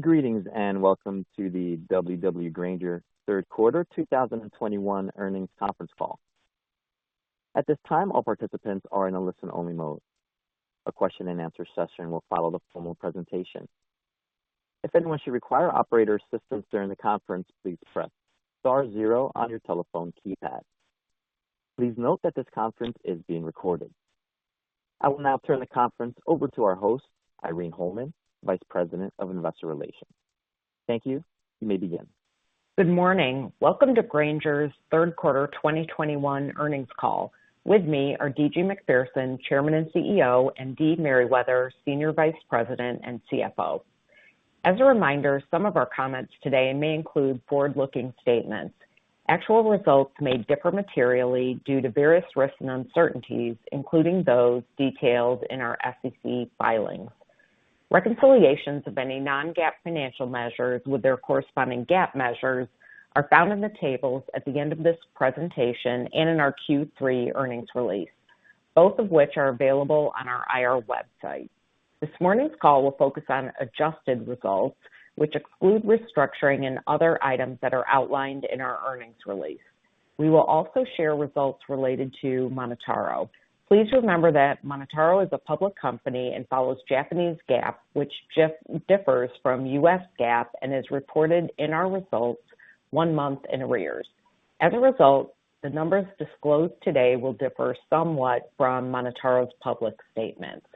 Greetings, and welcome to the W.W. Grainger Third Quarter 2021 Earnings conference call. At this time, all participants are in a listen-only mode. A question-and-answer session will follow the formal presentation. If anyone should require operator assistance during the conference, please press star zero on your telephone keypad. Please note that this conference is being recorded. I will now turn the conference over to our host, Irene Holman, Vice President of Investor Relations. Thank you. You may begin. Good morning. Welcome to Grainger's Third Quarter 2021 Earnings call. With me are D.G. Macpherson, Chairman and CEO, and Deidra Merriwether, Senior Vice President and CFO. As a reminder, some of our comments today may include forward-looking statements. Actual results may differ materially due to various risks and uncertainties, including those detailed in our SEC filings. Reconciliations of any non-GAAP financial measures with their corresponding GAAP measures are found in the tables at the end of this presentation and in our Q3 earnings release, both of which are available on our IR website. This morning's call will focus on adjusted results, which exclude restructuring and other items that are outlined in our earnings release. We will also share results related to MonotaRO. Please remember that MonotaRO is a public company and follows Japanese GAAP, which just differs from US GAAP and is reported in our results one month in arrears. As a result, the numbers disclosed today will differ somewhat from MonotaRO's public statements.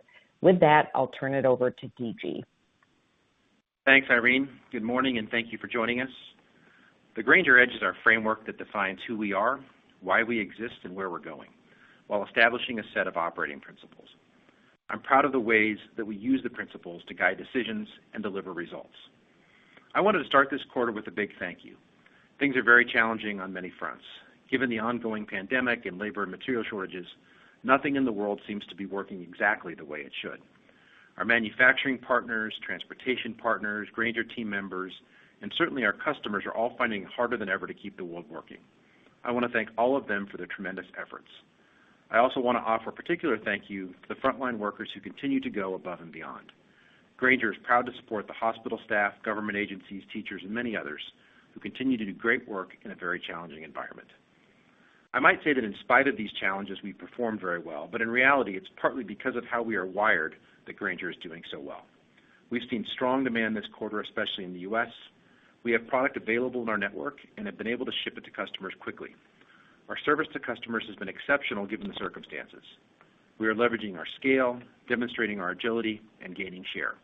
With that, I'll turn it over to D.G. Thanks, Irene. Good morning, and thank you for joining us. The Grainger Edge is our framework that defines who we are, why we exist, and where we're going, while establishing a set of operating principles. I'm proud of the ways that we use the principles to guide decisions and deliver results. I wanted to start this quarter with a big thank you. Things are very challenging on many fronts. Given the ongoing pandemic and labor and material shortages, nothing in the world seems to be working exactly the way it should. Our manufacturing partners, transportation partners, Grainger team members, and certainly our customers are all finding it harder than ever to keep the world working. I wanna thank all of them for their tremendous efforts. I also wanna offer a particular thank you to the frontline workers who continue to go above and beyond. Grainger is proud to support the hospital staff, government agencies, teachers, and many others who continue to do great work in a very challenging environment. I might say that in spite of these challenges, we perform very well, but in reality, it's partly because of how we are wired that Grainger is doing so well. We've seen strong demand this quarter, especially in the U.S. We have product available in our network and have been able to ship it to customers quickly. Our service to customers has been exceptional given the circumstances. We are leveraging our scale, demonstrating our agility, and gaining share.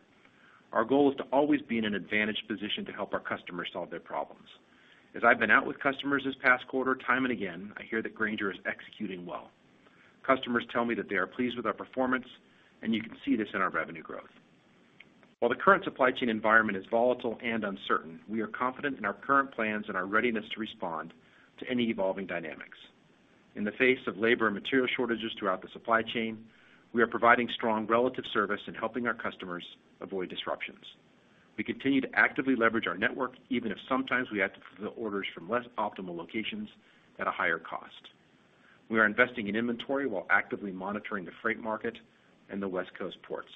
Our goal is to always be in an advantaged position to help our customers solve their problems. As I've been out with customers this past quarter, time and again, I hear that Grainger is executing well. Customers tell me that they are pleased with our performance, and you can see this in our revenue growth. While the current supply chain environment is volatile and uncertain, we are confident in our current plans and our readiness to respond to any evolving dynamics. In the face of labor and material shortages throughout the supply chain, we are providing strong relative service in helping our customers avoid disruptions. We continue to actively leverage our network, even if sometimes we have to fulfill orders from less optimal locations at a higher cost. We are investing in inventory while actively monitoring the freight market and the West Coast ports.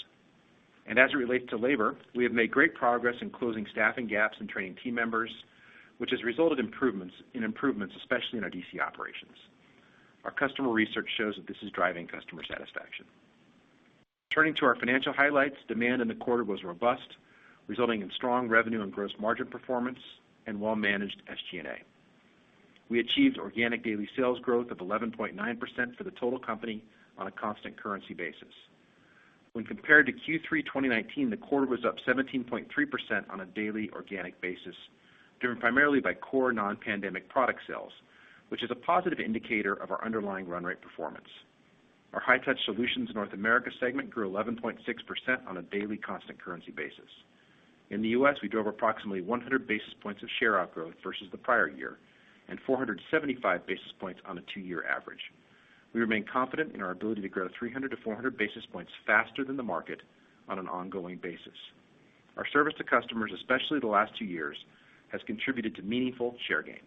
As it relates to labor, we have made great progress in closing staffing gaps and training team members, which has resulted in improvements, especially in our D.C. operations. Our customer research shows that this is driving customer satisfaction. Turning to our financial highlights, demand in the quarter was robust, resulting in strong revenue and gross margin performance and well-managed SG&A. We achieved organic daily sales growth of 11.9% for the total company on a constant currency basis. When compared to Q3 2019, the quarter was up 17.3% on a daily organic basis, driven primarily by core non-pandemic product sales, which is a positive indicator of our underlying run rate performance. Our High-Touch Solutions North America segment grew 11.6% on a daily constant currency basis. In the U.S., we drove approximately 100 basis points of share outgrowth versus the prior year and 475 basis points on a two-year average. We remain confident in our ability to grow 300-400 basis points faster than the market on an ongoing basis. Our service to customers, especially the last two years, has contributed to meaningful share gain.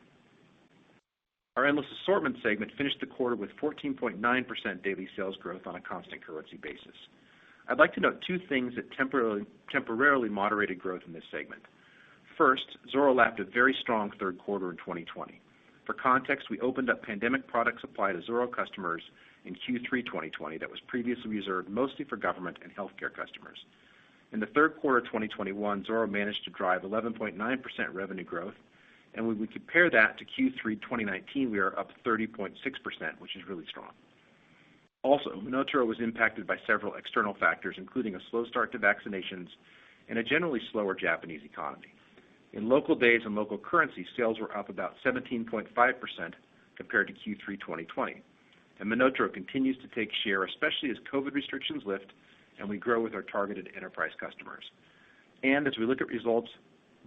Our Endless Assortment segment finished the quarter with 14.9% daily sales growth on a constant currency basis. I'd like to note two things that temporarily moderated growth in this segment. First, Zoro lapped a very strong third quarter in 2020. For context, we opened up pandemic product supply to Zoro customers in Q3 2020 that was previously reserved mostly for government and healthcare customers. In the third quarter of 2021, Zoro managed to drive 11.9% revenue growth. When we compare that to Q3 2019, we are up 30.6%, which is really strong. Also, MonotaRO was impacted by several external factors, including a slow start to vaccinations and a generally slower Japanese economy. In local days and local currency, sales were up about 17.5% compared to Q3 2020. MonotaRO continues to take share, especially as COVID restrictions lift and we grow with our targeted enterprise customers. As we look at results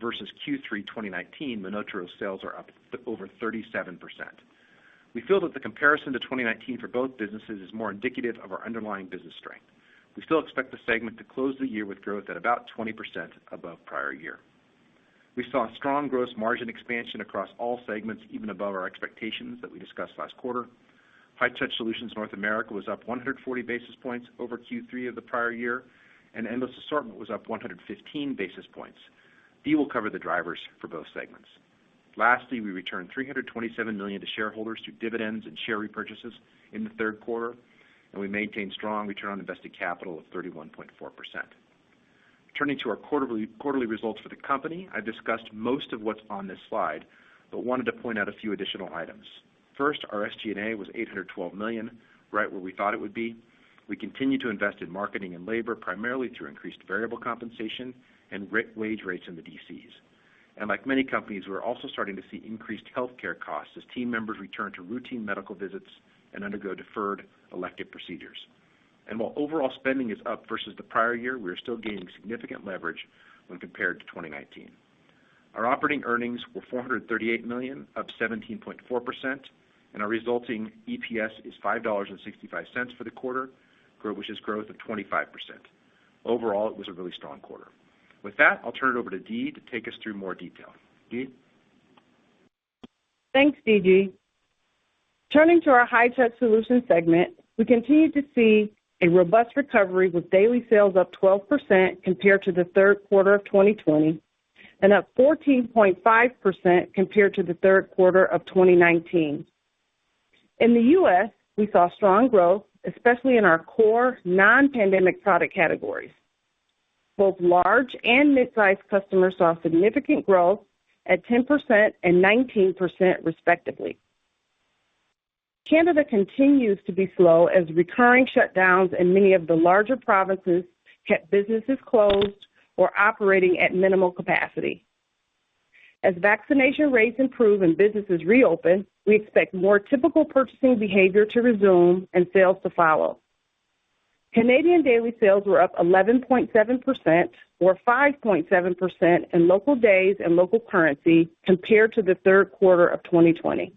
versus Q3 2019, MonotaRO's sales are up over 37%. We feel that the comparison to 2019 for both businesses is more indicative of our underlying business strength. We still expect the segment to close the year with growth at about 20% above prior year. We saw strong gross margin expansion across all segments, even above our expectations that we discussed last quarter. High-Touch Solutions North America was up 140 basis points over Q3 of the prior year, and Endless Assortment was up 115 basis points. Dee will cover the drivers for both segments. Lastly, we returned $327 million to shareholders through dividends and share repurchases in the third quarter, and we maintained strong return on invested capital of 31.4%. Turning to our quarterly results for the company, I discussed most of what's on this slide, but wanted to point out a few additional items. First, our SG&A was $812 million, right where we thought it would be. We continued to invest in marketing and labor, primarily through increased variable compensation and higher wage rates in the DCs. Like many companies, we're also starting to see increased healthcare costs as team members return to routine medical visits and undergo deferred elective procedures. While overall spending is up versus the prior year, we are still gaining significant leverage when compared to 2019. Our operating earnings were $438 million, up 17.4%, and our resulting EPS is $5.65 for the quarter, which is growth of 25%. Overall, it was a really strong quarter. With that, I'll turn it over to Dee to take us through more detail. Dee? Thanks, D.G. Turning to our High-Touch Solutions segment, we continue to see a robust recovery with daily sales up 12% compared to the third quarter of 2020 and up 14.5% compared to the third quarter of 2019. In the U.S., we saw strong growth, especially in our core non-pandemic product categories. Both large and mid-sized customers saw significant growth at 10% and 19% respectively. Canada continues to be slow as recurring shutdowns in many of the larger provinces kept businesses closed or operating at minimal capacity. As vaccination rates improve and businesses reopen, we expect more typical purchasing behavior to resume and sales to follow. Canadian daily sales were up 11.7% or 5.7% in local days and local currency compared to the third quarter of 2020.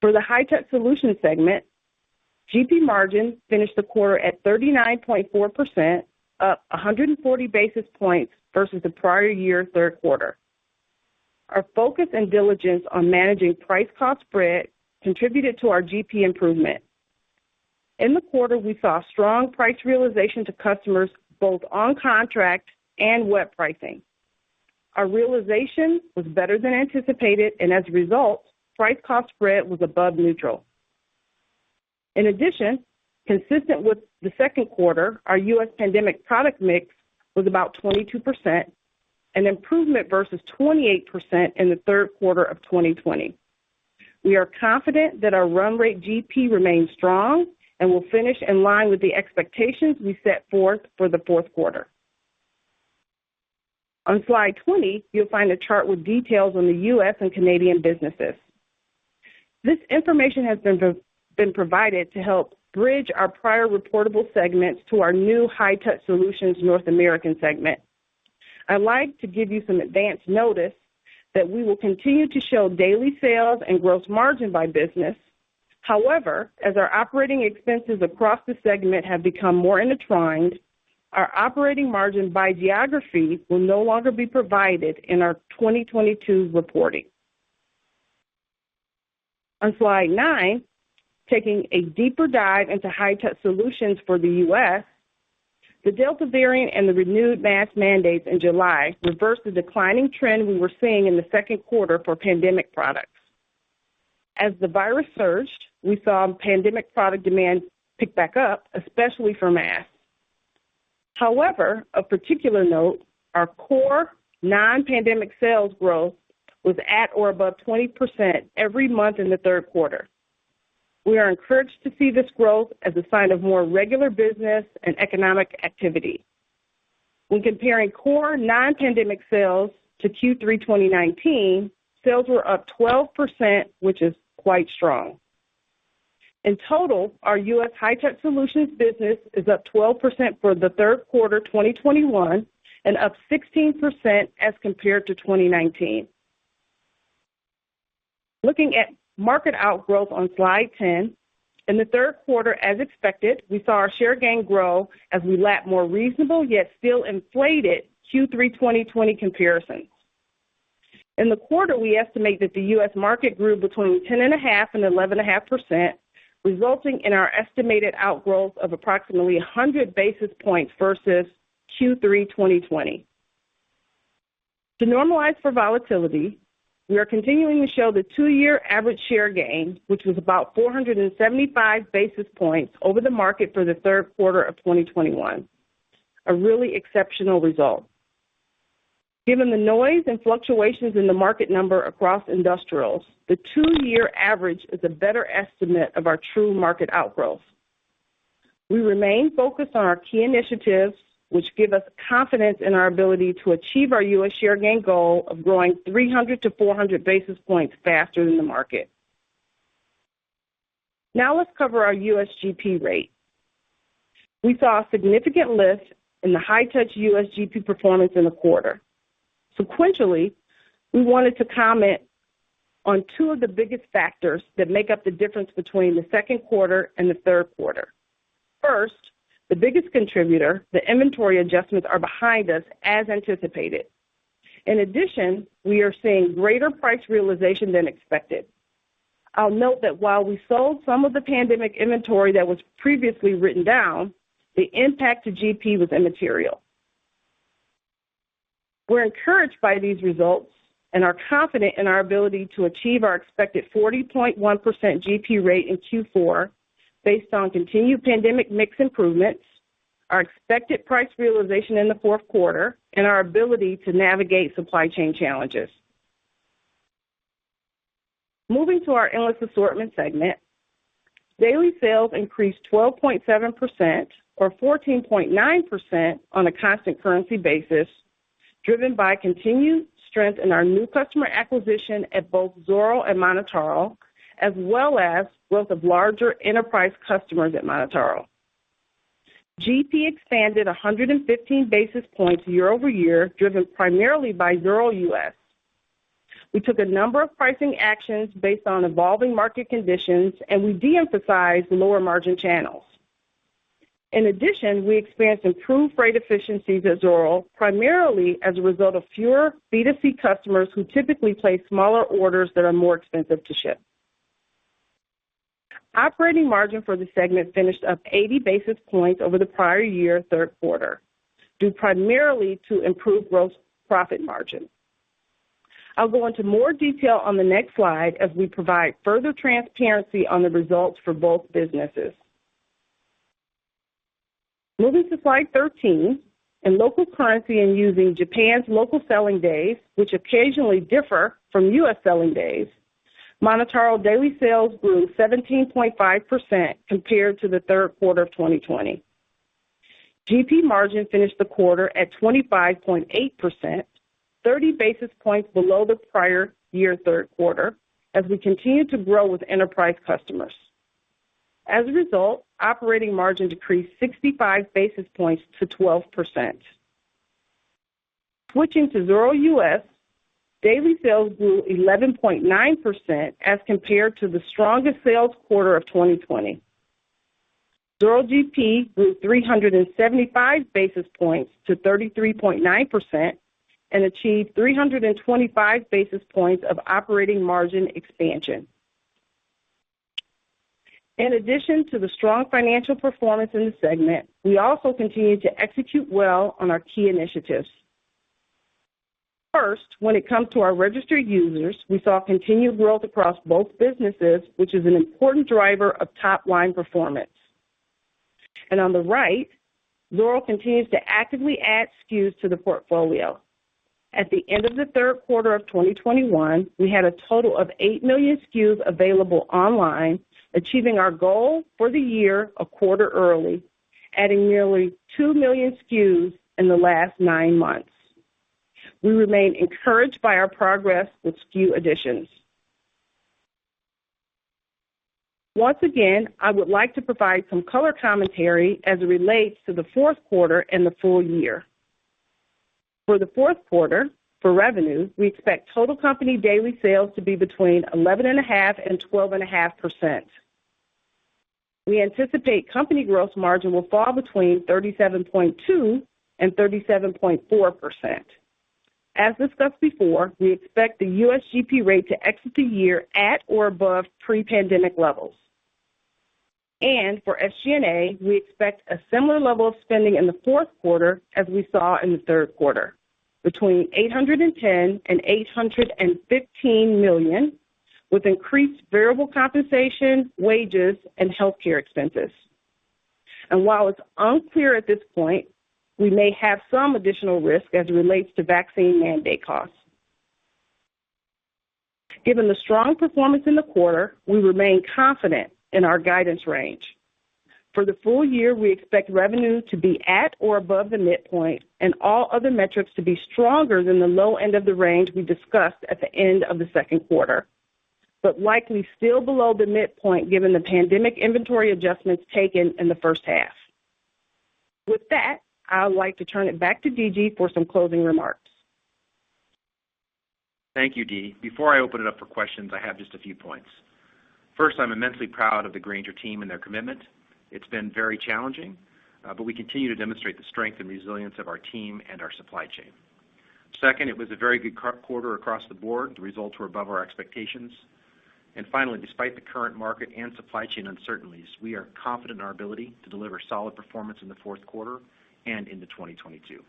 For the High-Touch Solutions segment, GP margin finished the quarter at 39.4%, up 140 basis points versus the prior year third quarter. Our focus and diligence on managing price-cost spread contributed to our GP improvement. In the quarter, we saw strong price realization to customers both on contract and web pricing. Our realization was better than anticipated, and as a result, price-cost spread was above neutral. In addition, consistent with the second quarter, our U.S. pandemic product mix was about 22%, an improvement versus 28% in the third quarter of 2020. We are confident that our run rate GP remains strong and will finish in line with the expectations we set forth for the fourth quarter. On slide 20, you'll find a chart with details on the U.S. and Canadian businesses. This information has been provided to help bridge our prior reportable segments to our new High-Touch Solutions North America segment. I'd like to give you some advance notice that we will continue to show daily sales and gross margin by business. However, as our operating expenses across the segment have become more intertwined, our operating margin by geography will no longer be provided in our 2022 reporting. On slide 9, taking a deeper dive into High-Touch Solutions for the U.S., the Delta variant and the renewed mask mandates in July reversed the declining trend we were seeing in the second quarter for pandemic products. As the virus surged, we saw pandemic product demand pick back up, especially for masks. However, of particular note, our core non-pandemic sales growth was at or above 20% every month in the third quarter. We are encouraged to see this growth as a sign of more regular business and economic activity. When comparing core non-pandemic sales to Q3 2019, sales were up 12%, which is quite strong. In total, our U.S. High-Touch Solutions business is up 12% for the third quarter 2021 and up 16% as compared to 2019. Looking at market outgrowth on slide 10, in the third quarter, as expected, we saw our share gain grow as we lapped more reasonable yet still inflated Q3 2020 comparisons. In the quarter, we estimate that the U.S. market grew between 10.5% and 11.5%, resulting in our estimated outgrowth of approximately 100 basis points versus Q3 2020. To normalize for volatility, we are continuing to show the two-year average share gain, which was about 475 basis points over the market for the third quarter of 2021. A really exceptional result. Given the noise and fluctuations in the market number across industrials, the two-year average is a better estimate of our true market outgrowth. We remain focused on our key initiatives, which give us confidence in our ability to achieve our U.S. share gain goal of growing 300-400 basis points faster than the market. Now let's cover our U.S. GP rate. We saw a significant lift in the High-Touch U.S. GP performance in the quarter. Sequentially, we wanted to comment on two of the biggest factors that make up the difference between the second quarter and the third quarter. First, the biggest contributor, the inventory adjustments are behind us as anticipated. In addition, we are seeing greater price realization than expected. I'll note that while we sold some of the pandemic inventory that was previously written down, the impact to GP was immaterial. We're encouraged by these results and are confident in our ability to achieve our expected 40.1% GP rate in Q4 based on continued pandemic mix improvements, our expected price realization in the fourth quarter, and our ability to navigate supply chain challenges. Moving to our Endless Assortment segment. Daily sales increased 12.7% or 14.9% on a constant currency basis, driven by continued strength in our new customer acquisition at both Zoro and MonotaRO, as well as growth of larger enterprise customers at MonotaRO. GP expanded 115 basis points year-over-year, driven primarily by Zoro U.S. We took a number of pricing actions based on evolving market conditions, and we de-emphasized lower margin channels. In addition, we experienced improved freight efficiencies at Zoro, primarily as a result of fewer B2C customers who typically place smaller orders that are more expensive to ship. Operating margin for the segment finished up 80 basis points over the prior year third quarter, due primarily to improved gross profit margin. I'll go into more detail on the next slide as we provide further transparency on the results for both businesses. Moving to slide 13. In local currency and using Japan's local selling days, which occasionally differ from U.S. selling days, MonotaRO daily sales grew 17.5% compared to the third quarter of 2020. GP margin finished the quarter at 25.8%, 30 basis points below the prior year third quarter as we continue to grow with enterprise customers. As a result, operating margin decreased 65 basis points to 12%. Switching to Zoro U.S., daily sales grew 11.9% as compared to the strongest sales quarter of 2020. Zoro GP grew 375 basis points to 33.9% and achieved 325 basis points of operating margin expansion. In addition to the strong financial performance in the segment, we also continued to execute well on our key initiatives. First, when it comes to our registered users, we saw continued growth across both businesses, which is an important driver of top-line performance. On the right, Zoro continues to actively add SKUs to the portfolio. At the end of the third quarter of 2021, we had a total of 8 million SKUs available online, achieving our goal for the year a quarter early, adding nearly 2 million SKUs in the last nine months. We remain encouraged by our progress with SKU additions. Once again, I would like to provide some color commentary as it relates to the fourth quarter and the full year. For the fourth quarter, for revenue, we expect total company daily sales to be between 11.5% and 12.5%. We anticipate company gross margin will fall between 37.2% and 37.4%. As discussed before, we expect the U.S. GP rate to exit the year at or above pre-pandemic levels. For SG&A, we expect a similar level of spending in the fourth quarter as we saw in the third quarter, between $810 million and $815 million, with increased variable compensation, wages, and healthcare expenses. While it's unclear at this point, we may have some additional risk as it relates to vaccine mandate costs. Given the strong performance in the quarter, we remain confident in our guidance range. For the full year, we expect revenue to be at or above the midpoint and all other metrics to be stronger than the low end of the range we discussed at the end of the second quarter. Likely still below the midpoint given the pandemic inventory adjustments taken in the first half. With that, I would like to turn it back to D.G. for some closing remarks. Thank you, Dee. Before I open it up for questions, I have just a few points. First, I'm immensely proud of the Grainger team and their commitment. It's been very challenging, but we continue to demonstrate the strength and resilience of our team and our supply chain. Second, it was a very good quarter across the board. The results were above our expectations. Finally, despite the current market and supply chain uncertainties, we are confident in our ability to deliver solid performance in the fourth quarter and into 2022.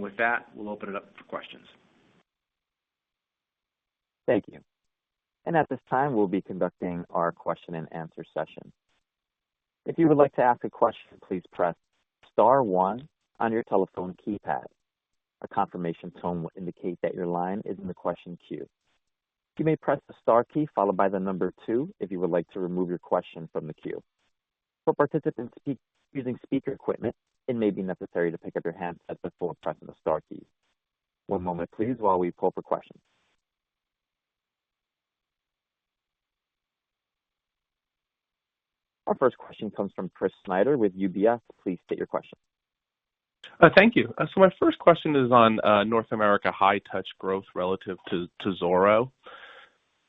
With that, we'll open it up for questions. Thank you. At this time, we'll be conducting our question and answer session. If you would like to ask a question, please press star one on your telephone keypad. A confirmation tone will indicate that your line is in the question queue. You may press the star key followed by the number two if you would like to remove your question from the queue. For participants using speaker equipment, it may be necessary to pick up your handset before pressing the star key. One moment please while we pull for questions. Our first question comes from Chris Snyder with UBS. Please state your question. Thank you. My first question is on North America High-Touch growth relative to Zoro.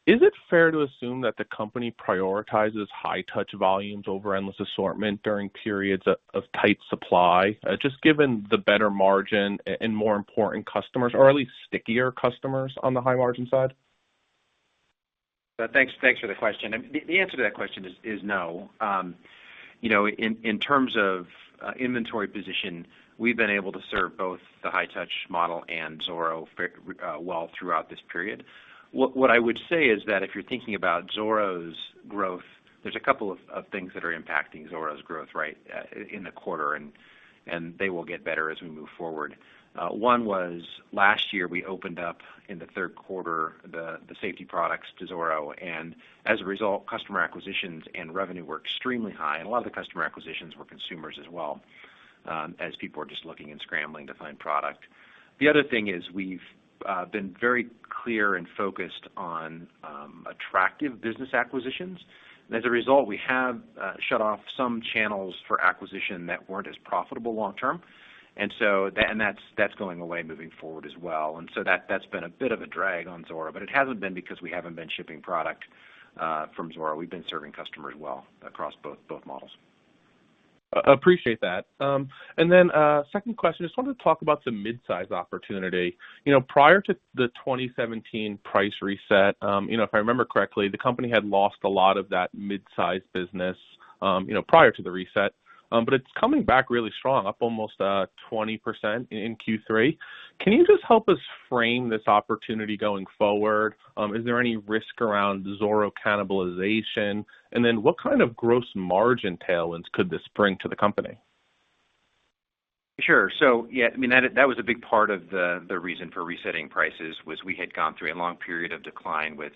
Is it fair to assume that the company prioritizes High-Touch volumes over Endless Assortment during periods of tight supply, just given the better margin and more important customers or at least stickier customers on the high margin side? Thanks for the question. The answer to that question is no. You know, in terms of inventory position, we've been able to serve both the high touch model and Zoro throughout this period. What I would say is that if you're thinking about Zoro's growth, there's a couple of things that are impacting Zoro's growth, right, in the quarter, and they will get better as we move forward. One was, last year, we opened up in the third quarter, the safety products to Zoro, and as a result, customer acquisitions and revenue were extremely high, and a lot of the customer acquisitions were consumers as well, as people were just looking and scrambling to find product. The other thing is we've been very clear and focused on attractive business acquisitions. As a result, we have shut off some channels for acquisition that weren't as profitable long term. That's going away moving forward as well. That's been a bit of a drag on Zoro, but it hasn't been because we haven't been shipping product from Zoro. We've been serving customers well across both models. Appreciate that. Second question, just wanted to talk about the midsize opportunity. You know, prior to the 2017 price reset, you know, if I remember correctly, the company had lost a lot of that midsize business, you know, prior to the reset. It's coming back really strong, up almost 20% in Q3. Can you just help us frame this opportunity going forward? Is there any risk around Zoro cannibalization? What kind of gross margin tailwinds could this bring to the company? Sure. Yeah, I mean, that was a big part of the reason for resetting prices was we had gone through a long period of decline with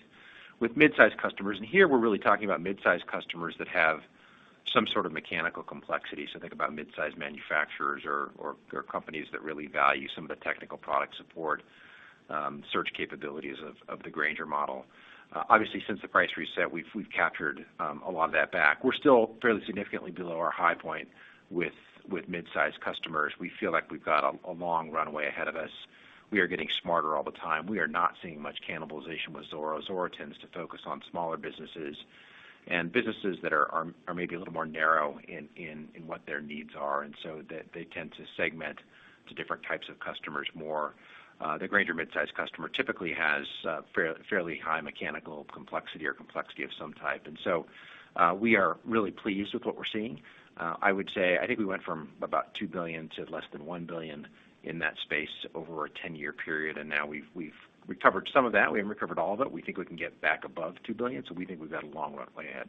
midsize customers. Here we're really talking about midsize customers that have some sort of mechanical complexity. Think about mid-size manufacturers or companies that really value some of the technical product support, search capabilities of the Grainger model. Obviously since the price reset, we've captured a lot of that back. We're still fairly significantly below our high point with midsize customers. We feel like we've got a long runway ahead of us. We are getting smarter all the time. We are not seeing much cannibalization with Zoro. Zoro tends to focus on smaller businesses and businesses that are maybe a little more narrow in what their needs are, and so they tend to segment to different types of customers more. The Grainger midsize customer typically has fairly high mechanical complexity or complexity of some type. We are really pleased with what we're seeing. I would say, I think we went from about $2 billion to less than $1 billion in that space over a 10-year period, and now we've recovered some of that. We haven't recovered all of it. We think we can get back above $2 billion, so we think we've got a long runway ahead.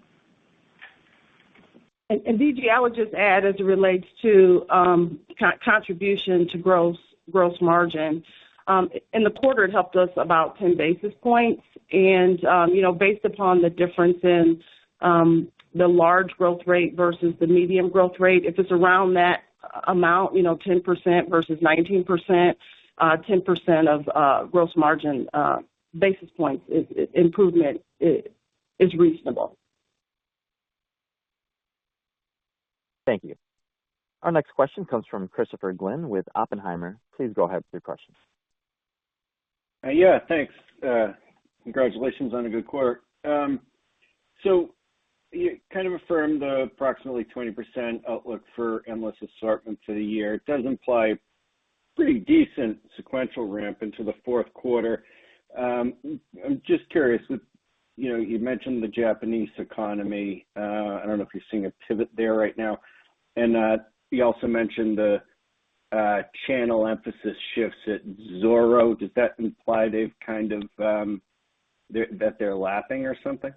D.G., I would just add, as it relates to co-contribution to gross margin in the quarter, it helped us about 10 basis points. You know, based upon the difference in the large growth rate versus the medium growth rate, if it's around that amount, you know, 10% versus 19%, 10% of gross margin basis points improvement is reasonable. Thank you. Our next question comes from Christopher Glynn with Oppenheimer. Please go ahead with your question. Yeah, thanks. Congratulations on a good quarter. So, you kind of affirmed the approximately 20% outlook for Endless Assortment for the year. It does imply pretty decent sequential ramp into the fourth quarter. Just curious with, you know, you mentioned the Japanese economy. I don't know if you're seeing a pivot there right now. You also mentioned the channel emphasis shifts at Zoro. Does that imply they've kind of that they're lapping or something?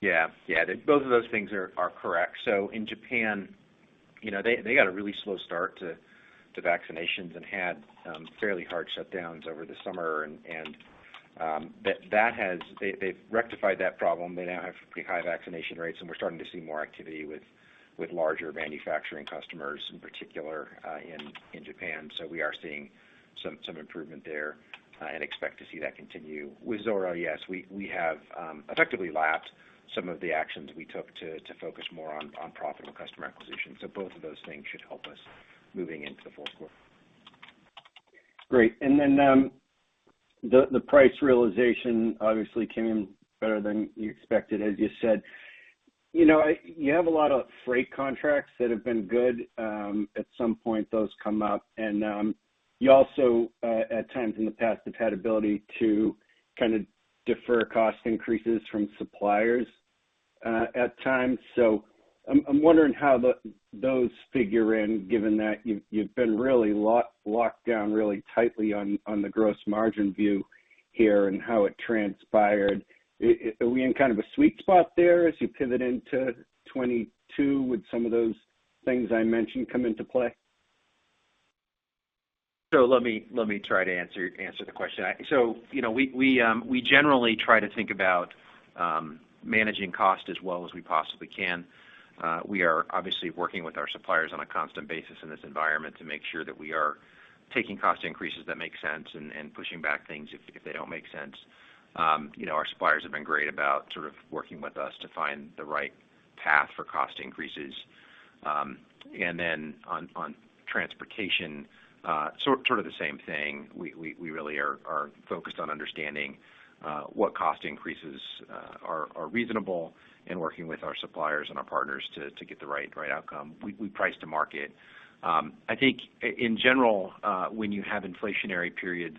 Yeah. Yeah. Both of those things are correct. In Japan, you know, they got a really slow start to vaccinations and had fairly hard shutdowns over the summer. They've rectified that problem. They now have pretty high vaccination rates, and we're starting to see more activity with larger manufacturing customers, in particular, in Japan. We are seeing some improvement there and expect to see that continue. With Zoro, yes, we have effectively lapped some of the actions we took to focus more on profitable customer acquisition. Both of those things should help us moving into the fourth quarter. Great. Then, the price realization obviously came in better than you expected, as you said. You know, you have a lot of freight contracts that have been good. At some point, those come up. You also, at times in the past, have had ability to kinda defer cost increases from suppliers, at times. So I'm wondering how those figure in, given that you've been really locked down really tightly on the gross margin view here and how it transpired. Are we in kind of a sweet spot there as you pivot into 2022 with some of those things I mentioned come into play? Let me try to answer the question. You know, we generally try to think about managing cost as well as we possibly can. We are obviously working with our suppliers on a constant basis in this environment to make sure that we are taking cost increases that make sense and pushing back things if they don't make sense. You know, our suppliers have been great about sort of working with us to find the right path for cost increases. Then on transportation, sort of the same thing. We really are focused on understanding what cost increases are reasonable and working with our suppliers and our partners to get the right outcome. We price to market. I think in general, when you have inflationary periods,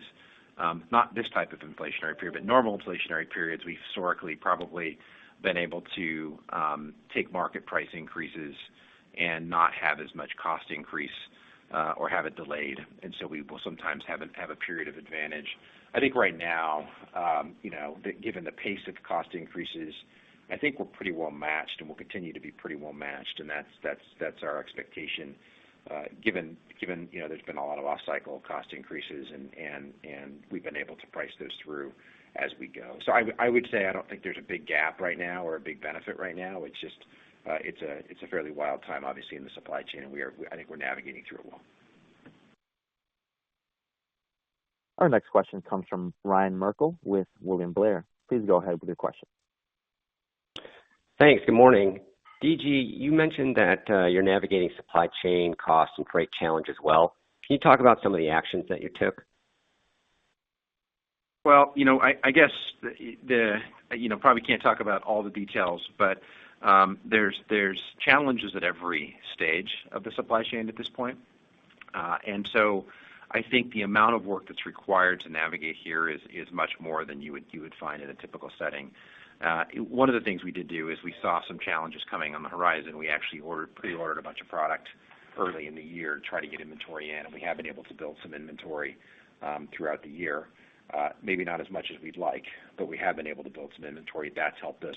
not this type of inflationary period, but normal inflationary periods, we've historically probably been able to take market price increases and not have as much cost increase, or have it delayed. We will sometimes have a period of advantage. I think right now, you know, given the pace of cost increases, I think we're pretty well matched and we'll continue to be pretty well matched, and that's our expectation. Given, you know, there's been a lot of off-cycle cost increases and we've been able to price those through as we go. I would say I don't think there's a big gap right now or a big benefit right now. It's just, it's a fairly wild time, obviously, in the supply chain, and I think we're navigating through it well. Our next question comes from Ryan Merkel with William Blair. Please go ahead with your question. Thanks. Good morning. D.G., you mentioned that you're navigating supply chain costs and freight challenge as well. Can you talk about some of the actions that you took? Well, you know, I guess you know, probably can't talk about all the details, but there's challenges at every stage of the supply chain at this point. I think the amount of work that's required to navigate here is much more than you would find in a typical setting. One of the things we did do is we saw some challenges coming on the horizon. We actually pre-ordered a bunch of product early in the year to try to get inventory in, and we have been able to build some inventory throughout the year. Maybe not as much as we'd like, but we have been able to build some inventory. That's helped us.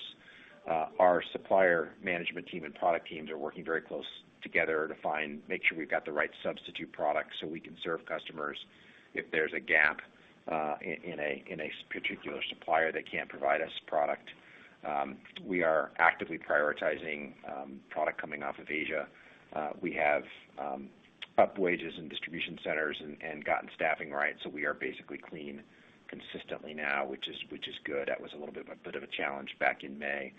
Our supplier management team and product teams are working very close together to make sure we've got the right substitute products so we can serve customers if there's a gap in a particular supplier that can't provide us product. We are actively prioritizing product coming off of Asia. We have up wages in distribution centers and gotten staffing right, so we are basically clean consistently now, which is good. That was a little bit of a challenge back in May.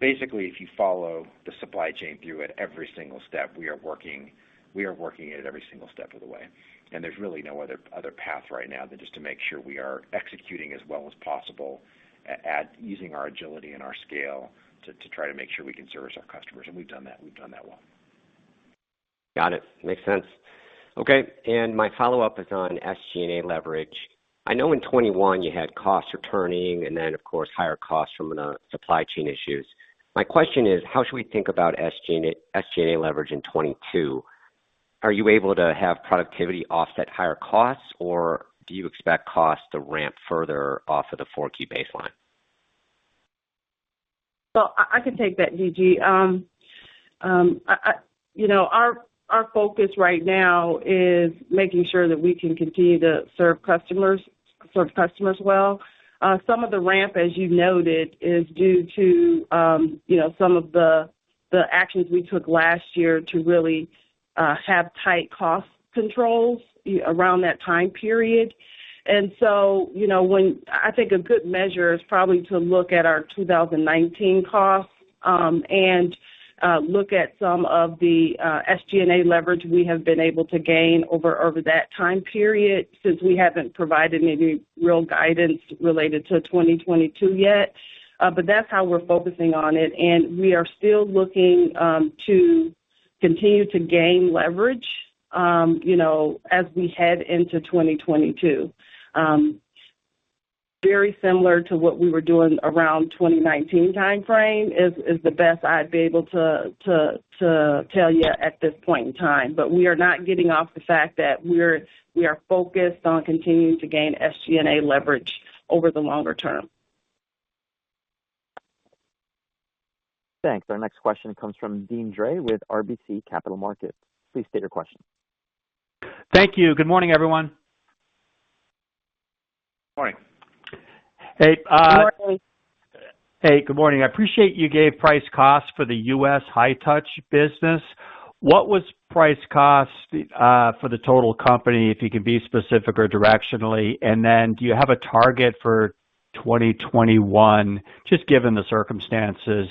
Basically, if you follow the supply chain through at every single step, we are working it at every single step of the way. There's really no other path right now than just to make sure we are executing as well as possible by using our agility and our scale to try to make sure we can service our customers. We've done that well. Got it. Makes sense. Okay, my follow-up is on SG&A leverage. I know in 2021 you had costs returning and then, of course, higher costs from the supply chain issues. My question is how should we think about SG&A, SG&A leverage in 2022? Are you able to have productivity offset higher costs, or do you expect costs to ramp further off of the 4Q baseline? Well, I can take that, D.G. You know, our focus right now is making sure that we can continue to serve customers well. Some of the ramp, as you noted, is due to, you know, some of the actions we took last year to really have tight cost controls around that time period. You know, I think a good measure is probably to look at our 2019 costs and look at some of the SG&A leverage we have been able to gain over that time period, since we haven't provided any real guidance related to 2022 yet. That's how we're focusing on it. We are still looking to continue to gain leverage, you know, as we head into 2022. Very similar to what we were doing around 2019 timeframe is the best I'd be able to tell you at this point in time. We are not getting off the fact that we are focused on continuing to gain SG&A leverage over the longer term. Thanks. Our next question comes from Deane Dray with RBC Capital Markets. Please state your question. Thank you. Good morning, everyone. Morning. Hey. Good morning. Hey, good morning. I appreciate you gave price cost for the U.S. high-touch business. What was price cost for the total company, if you can be specific or directionally? Do you have a target for 2021, just given the circumstances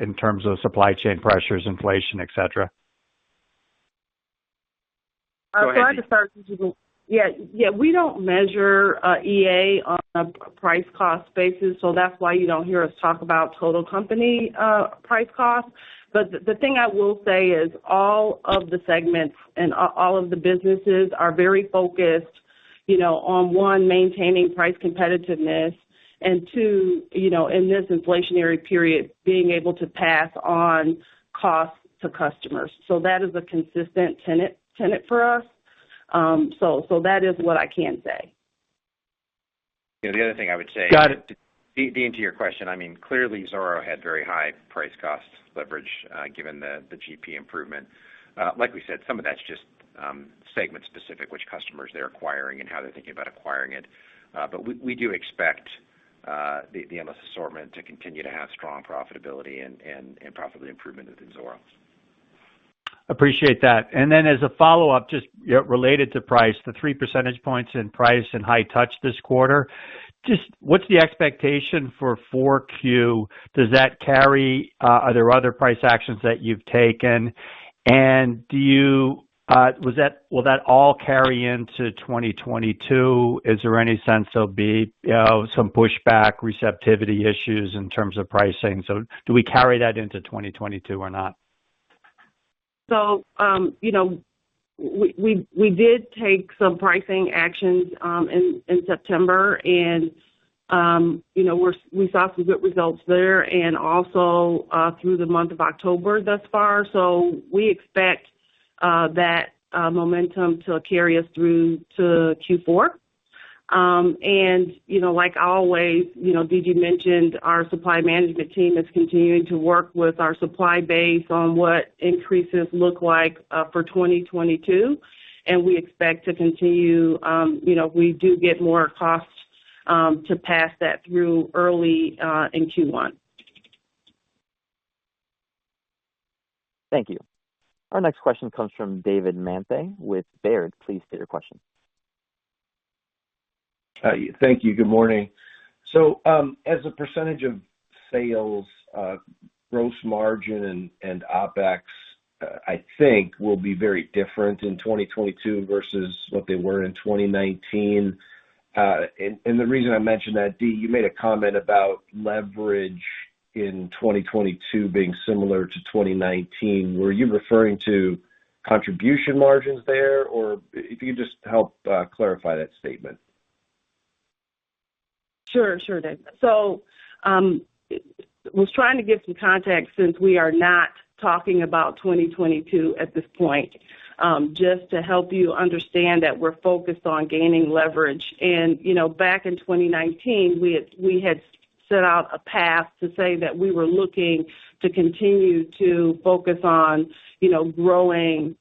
in terms of supply chain pressures, inflation, et cetera? Go ahead. Yeah, yeah. We don't measure EA on a price cost basis, so that's why you don't hear us talk about total company price cost. But the thing I will say is all of the segments and all of the businesses are very focused, you know, on one, maintaining price competitiveness, and two, you know, in this inflationary period, being able to pass on costs to customers. That is a consistent tenet for us. That is what I can say. You know, the other thing I would say. Got it. Dee, into your question, I mean, clearly, Zoro had very high price cost leverage, given the GP improvement. Like we said, some of that's just segment specific, which customers they're acquiring and how they're thinking about acquiring it. We do expect the Endless Assortment to continue to have strong profitability and profitability improvement within Zoro. Appreciate that. Then as a follow-up, just, you know, related to price, the three percentage points in price and High-Touch this quarter, just what's the expectation for 4Q? Does that carry? Are there other price actions that you've taken? Will that all carry into 2022? Is there any sense there'll be, you know, some pushback, receptivity issues in terms of pricing? Do we carry that into 2022 or not? You know, we did take some pricing actions in September and you know, we saw some good results there and also through the month of October thus far. We expect that momentum to carry us through to Q4. You know, like always, you know, D.G. mentioned, our supply management team is continuing to work with our supply base on what increases look like for 2022. We expect to continue, you know, if we do get more costs, to pass that through early in Q1. Thank you. Our next question comes from David Manthey with Baird. Please state your question. Hi. Thank you. Good morning. As a percentage of sales, gross margin and OpEx, I think will be very different in 2022 versus what they were in 2019. The reason I mention that, Dee, you made a comment about leverage in 2022 being similar to 2019. Were you referring to contribution margins there? Or if you could just help clarify that statement. Sure, David. I was trying to give some context since we are not talking about 2022 at this point, just to help you understand that we're focused on gaining leverage. You know, back in 2019 we had set out a path to say that we were looking to continue to focus on, you know, growing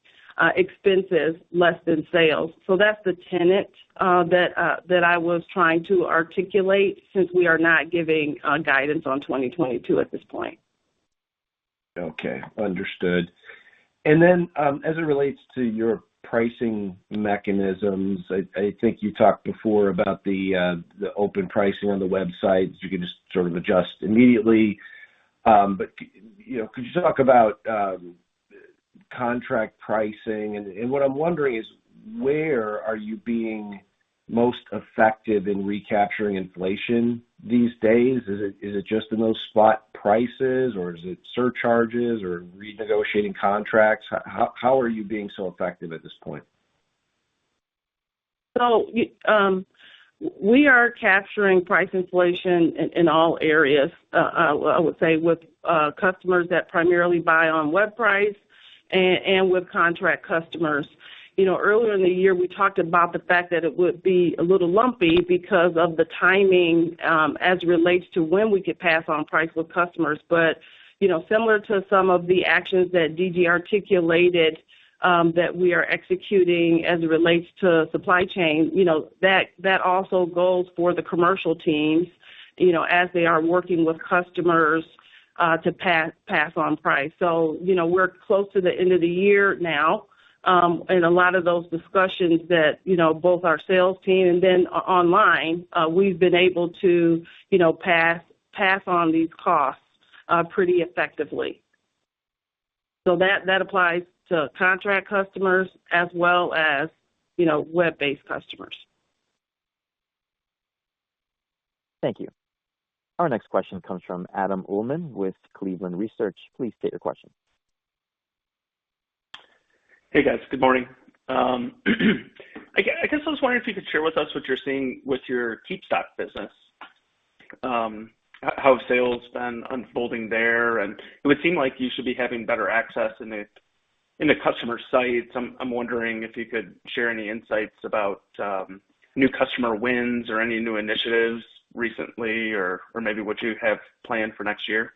expenses less than sales. That's the tenet that I was trying to articulate since we are not giving guidance on 2022 at this point. Okay. Understood. As it relates to your pricing mechanisms, I think you talked before about the open pricing on the website. You can just sort of adjust immediately. You know, could you talk about contract pricing? What I'm wondering is where are you being most effective in recapturing inflation these days? Is it just in those spot prices or is it surcharges or renegotiating contracts? How are you being so effective at this point? We are capturing price inflation in all areas, I would say with customers that primarily buy on web price and with contract customers. You know, earlier in the year we talked about the fact that it would be a little lumpy because of the timing, as it relates to when we could pass on price with customers. You know, similar to some of the actions that D.G. articulated, that we are executing as it relates to supply chain, you know, that also goes for the commercial teams, you know, as they are working with customers to pass on price. You know, we're close to the end of the year now. A lot of those discussions that, you know, both our sales team and then online, we've been able to, you know, pass on these costs pretty effectively. That applies to contract customers as well as, you know, web-based customers. Thank you. Our next question comes from Adam Uhlman with Cleveland Research. Please state your question. Hey, guys. Good morning. I guess I was wondering if you could share with us what you're seeing with your KeepStock business, how sales been unfolding there, and it would seem like you should be having better access in the customer sites. I'm wondering if you could share any insights about new customer wins or any new initiatives recently or maybe what you have planned for next year.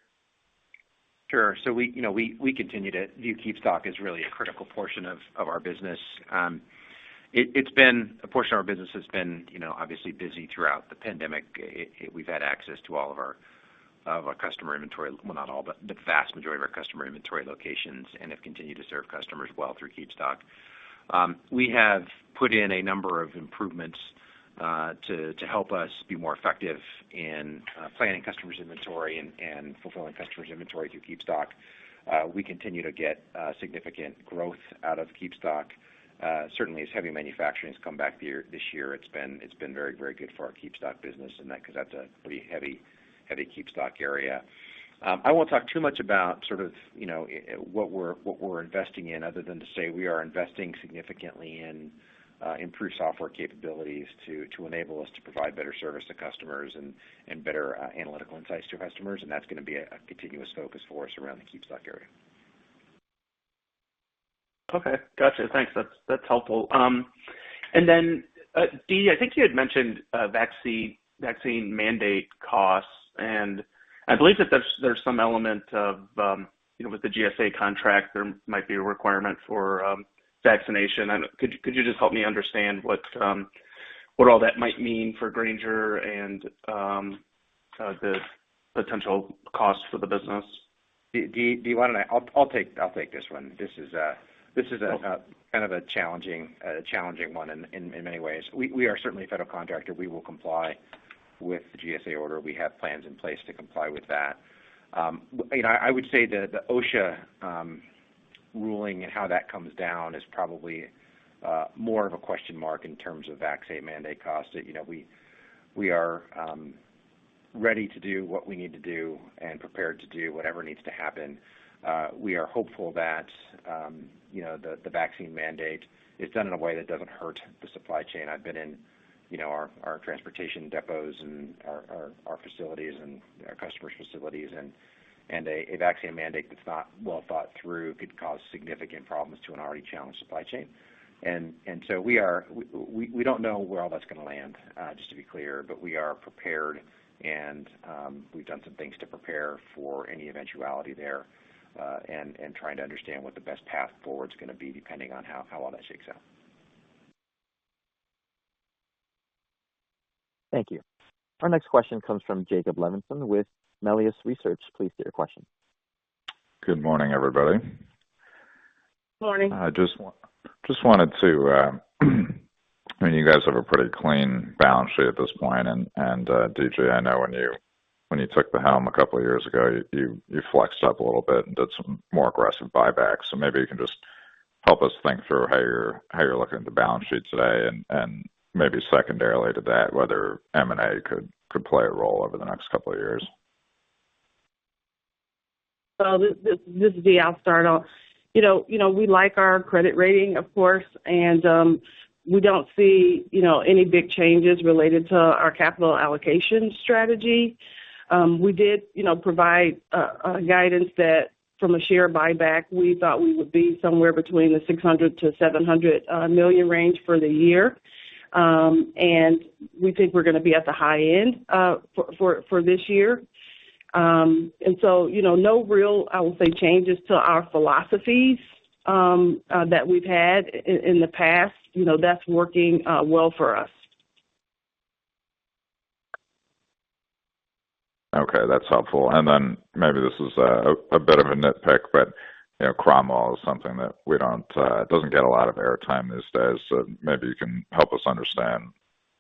Sure. We continue to view KeepStock as really a critical portion of our business. It's been a portion of our business that's been obviously busy throughout the pandemic. We've had access to all of our customer inventory. Well, not all, but the vast majority of our customer inventory locations and have continued to serve customers well through KeepStock. We have put in a number of improvements to help us be more effective in planning customers' inventory and fulfilling customers' inventory through KeepStock. We continue to get significant growth out of KeepStock. Certainly as heavy manufacturing has come back this year it's been very good for our KeepStock business, and that's because that's a pretty heavy KeepStock area. I won't talk too much about sort of, you know, what we're investing in other than to say we are investing significantly in improved software capabilities to enable us to provide better service to customers and better analytical insights to customers. That's gonna be a continuous focus for us around the KeepStock area. Okay. Gotcha. Thanks. That's helpful. And then, Dee, I think you had mentioned vaccine mandate costs, and I believe that there's some element of, you know, with the GSA contract, there might be a requirement for vaccination. Could you just help me understand what all that might mean for Grainger and the potential costs for the business? Dee, I'll take this one. This is kind of a challenging one in many ways. We are certainly a federal contractor. We will comply with the GSA order. We have plans in place to comply with that. You know, I would say the OSHA ruling and how that comes down is probably more of a question mark in terms of vaccine mandate costs. You know, we are ready to do what we need to do and prepared to do whatever needs to happen. We are hopeful that, you know, the vaccine mandate is done in a way that doesn't hurt the supply chain. I've been in, you know, our transportation depots and our facilities and our customers' facilities and a vaccine mandate that's not well thought through could cause significant problems to an already challenged supply chain. We don't know where all that's gonna land, just to be clear, but we are prepared and we've done some things to prepare for any eventuality there, and trying to understand what the best path forward is gonna be, depending on how all that shakes out. Thank you. Our next question comes from Jacob Levinson with Melius Research. Please state your question. Good morning, everybody. Morning. I just wanted to, I mean, you guys have a pretty clean balance sheet at this point. Deidra, I know when you took the helm a couple of years ago, you flexed up a little bit and did some more aggressive buybacks. Maybe you can just help us think through how you're looking at the balance sheet today, and maybe secondarily to that, whether M&A could play a role over the next couple of years. This is Dee. I'll start off. You know, we like our credit rating, of course, and we don't see, you know, any big changes related to our capital allocation strategy. We did, you know, provide guidance that from a share buyback, we thought we would be somewhere between $600 million-$700 million range for the year. We think we're gonna be at the high end for this year. You know, no real, I will say, changes to our philosophy that we've had in the past. You know, that's working well for us. Okay, that's helpful. Maybe this is a bit of a nitpick, but you know, Cromwell is something that we don't, it doesn't get a lot of airtime these days. Maybe you can help us understand,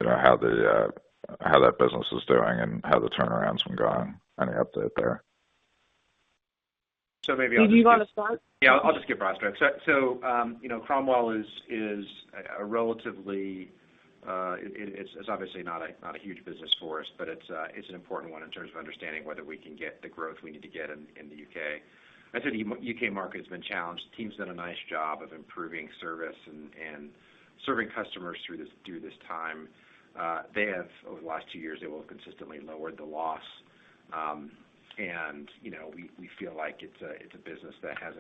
you know, how that business is doing and how the turnarounds have gone. Any update there? Maybe I'll just. D.G., do you want to start? Yeah, I'll just give broad strokes. Cromwell is a relatively. It's obviously not a huge business for us, but it's an important one in terms of understanding whether we can get the growth we need to get in the U.K. I'd say the U.K. market has been challenged. The team has done a nice job of improving service and serving customers through this time. They have consistently lowered the loss over the last two years. We feel like it's a business that has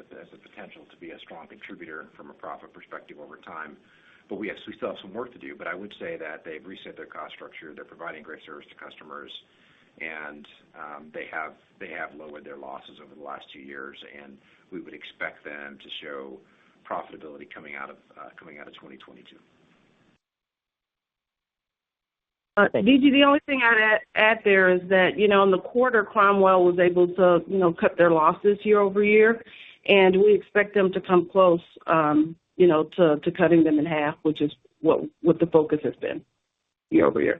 potential to be a strong contributor from a profit perspective over time. We still have some work to do, but I would say that they've reset their cost structure. They're providing great service to customers, and they have lowered their losses over the last two years, and we would expect them to show profitability coming out of 2022. Thank you. The only thing I'd add there is that, you know, in the quarter, Cromwell was able to, you know, cut their losses year-over-year, and we expect them to come close, you know, to cutting them in half, which is what the focus has been year-over-year.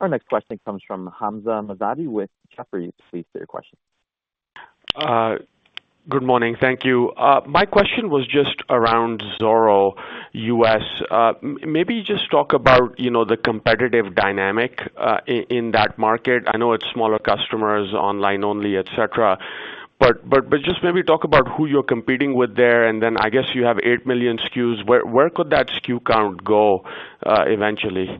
Our next question comes from Hamzah Mazari with Jefferies. Please state your question. Good morning. Thank you. My question was just around Zoro U.S. Maybe just talk about, you know, the competitive dynamic in that market. I know it's smaller customers, online only, et cetera. Just maybe talk about who you're competing with there, and then I guess you have 8 million SKUs. Where could that SKU count go eventually?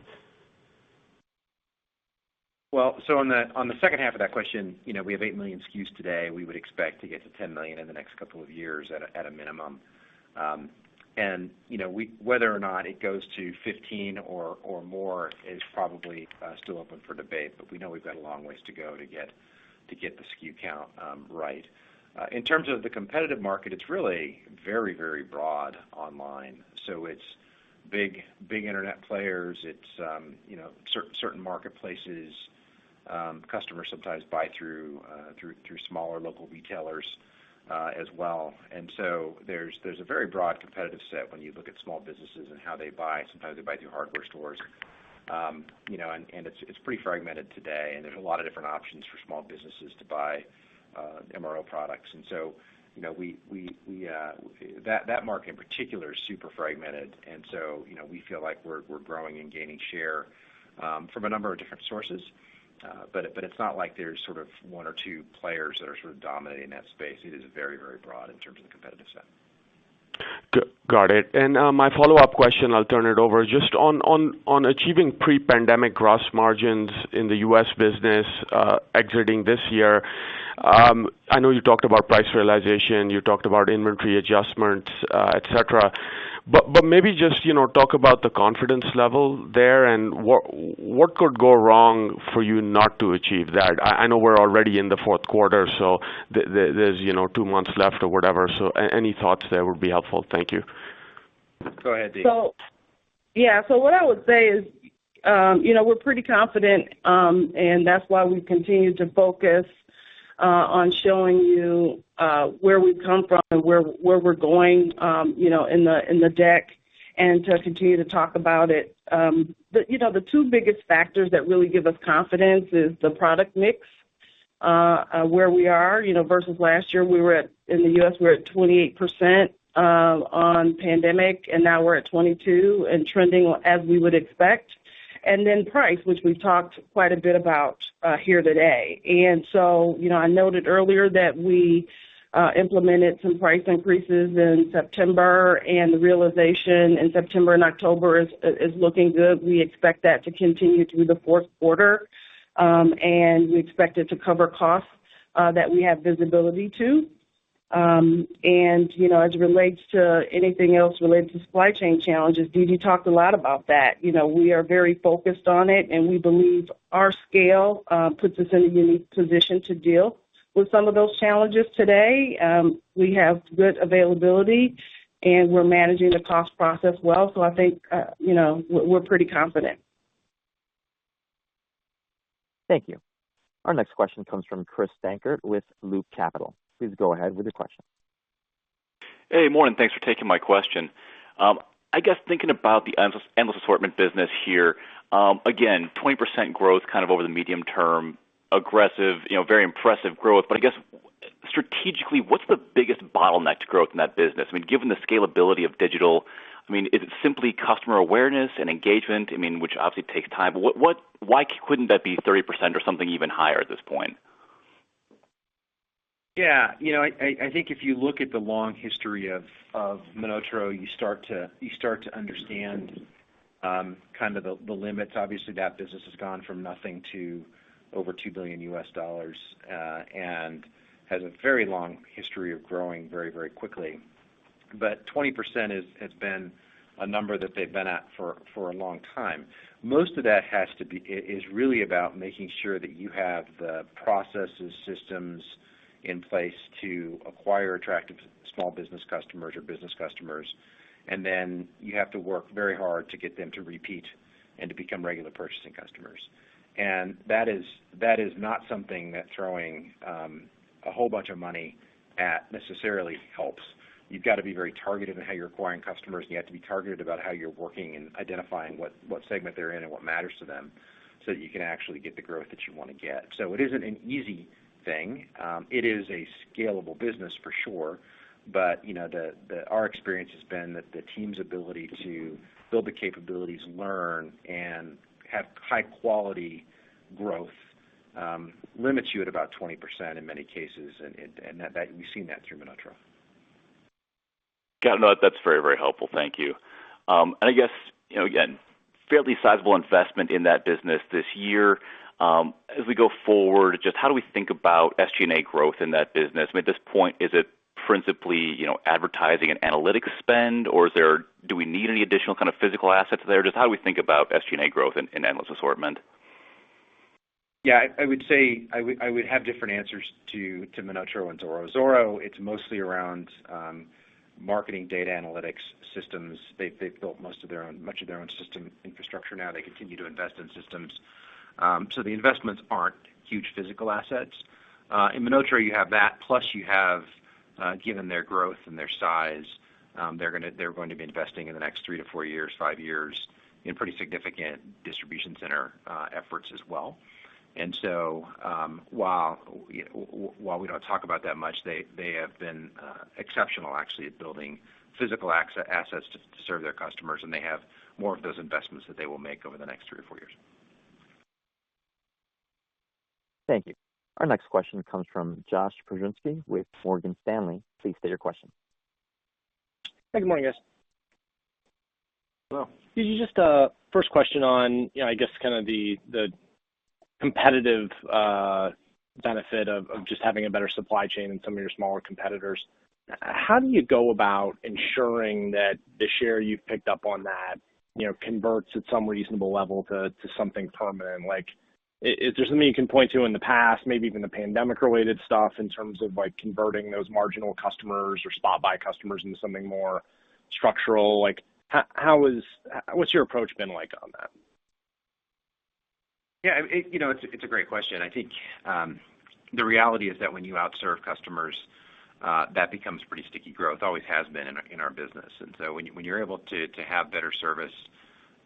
Well, on the second half of that question, you know, we have 8 million SKUs today. We would expect to get to 10 million in the next couple of years at a minimum. You know, whether or not it goes to 15 or more is probably still open for debate, but we know we've got a long ways to go to get the SKU count right. In terms of the competitive market, it's really very broad online. It's big internet players. It's certain marketplaces. Customers sometimes buy through smaller local retailers as well. There's a very broad competitive set when you look at small businesses and how they buy. Sometimes they buy through hardware stores. You know, it's pretty fragmented today, and there's a lot of different options for small businesses to buy MRO products. You know, that market in particular is super fragmented. You know, we feel like we're growing and gaining share from a number of different sources. It's not like there's sort of one or two players that are sort of dominating that space. It is very broad in terms of the competitive set. Got it. My follow-up question, I'll turn it over. Just on achieving pre-pandemic gross margins in the U.S. business, exiting this year. I know you talked about price realization, you talked about inventory adjustments, et cetera. But maybe just, you know, talk about the confidence level there and what could go wrong for you not to achieve that? I know we're already in the fourth quarter, so there's, you know, two months left or whatever. Any thoughts there would be helpful. Thank you. Go ahead, Dee. Yeah. What I would say is, you know, we're pretty confident, and that's why we continue to focus on showing you where we've come from and where we're going, you know, in the deck and to continue to talk about it. The two biggest factors that really give us confidence is the product mix, where we are, you know, versus last year we were at—in the U.S., we were at 28%, on pandemic, and now we're at 22% and trending as we would expect. Then price, which we've talked quite a bit about here today. You know, I noted earlier that we implemented some price increases in September, and the realization in September and October is looking good. We expect that to continue through the fourth quarter. We expect it to cover costs that we have visibility to. You know, as it relates to anything else related to supply chain challenges, D.G. Talked a lot about that. You know, we are very focused on it, and we believe our scale puts us in a unique position to deal with some of those challenges today. We have good availability, and we're managing the cost process well. I think, you know, we're pretty confident. Thank you. Our next question comes from Chris Dankert with Loop Capital. Please go ahead with your question. Hey, morning. Thanks for taking my question. I guess thinking about the Endless Assortment business here, again, 20% growth kind of over the medium term, aggressive, you know, very impressive growth. I guess strategically, what's the biggest bottleneck to growth in that business? I mean, given the scalability of digital, I mean, is it simply customer awareness and engagement? I mean, which obviously takes time. Why couldn't that be 30% or something even higher at this point? Yeah. You know, I think if you look at the long history of MonotaRO, you start to understand kind of the limits. Obviously that business has gone from nothing to over $2 billion and has a very long history of growing very, very quickly. 20% has been a number that they've been at for a long time. Most of that has to be. It's really about making sure that you have the processes, systems in place to acquire attractive small business customers or business customers, and then you have to work very hard to get them to repeat and to become regular purchasing customers. That is not something that throwing a whole bunch of money at necessarily helps. You've got to be very targeted in how you're acquiring customers. You have to be targeted about how you're working and identifying what segment they're in and what matters to them, so that you can actually get the growth that you wanna get. It isn't an easy thing. It is a scalable business for sure. You know, our experience has been that the team's ability to build the capabilities, learn, and have high quality growth limits you at about 20% in many cases. That we've seen that through MonotaRO. Got it. No, that's very, very helpful. Thank you. I guess, you know, again, fairly sizable investment in that business this year. As we go forward, just how do we think about SG&A growth in that business? I mean, at this point, is it principally, you know, advertising and analytics spend, or do we need any additional kind of physical assets there? Just how do we think about SG&A growth in Endless Assortment? I would say I would have different answers to MonotaRO and Zoro. Zoro, it's mostly around marketing data analytics systems. They've built much of their own system infrastructure. Now they continue to invest in systems. The investments aren't huge physical assets. In MonotaRO, you have that, plus you have, given their growth and their size, they're going to be investing in the next 3-4 years, 5 years in pretty significant distribution center efforts as well. While you know, while we don't talk about that much, they have been exceptional actually at building physical assets to serve their customers, and they have more of those investments that they will make over the next 3 or 4 years. Thank you. Our next question comes from Josh Pokrzywinski with Morgan Stanley. Please state your question. Hey, good morning, guys. Hello. D.G., just first question on, you know, I guess kind of the competitive benefit of just having a better supply chain than some of your smaller competitors. How do you go about ensuring that the share you've picked up on that, you know, converts at some reasonable level to something permanent? Like, is there something you can point to in the past, maybe even the pandemic-related stuff, in terms of, like, converting those marginal customers or spot buy customers into something more structural? Like, what's your approach been like on that? Yeah, you know, it's a great question. I think the reality is that when you out-serve customers, that becomes pretty sticky growth. Always has been in our business. When you're able to have better service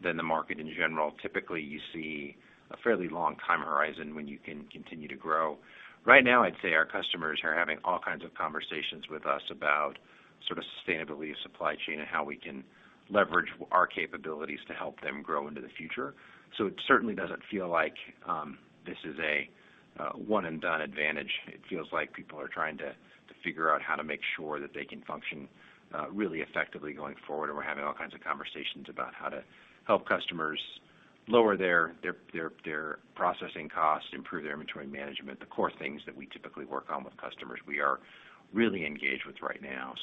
than the market in general, typically you see a fairly long time horizon when you can continue to grow. Right now, I'd say our customers are having all kinds of conversations with us about sort of sustainability of supply chain and how we can leverage our capabilities to help them grow into the future. It certainly doesn't feel like this is a one and done advantage. It feels like people are trying to figure out how to make sure that they can function really effectively going forward. We're having all kinds of conversations about how to help customers lower their processing costs, improve their inventory management, the core things that we typically work on with customers we are really engaged with right now.